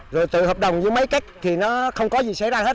rồi tự hợp đồng với máy gắt thì nó không có gì xảy ra hết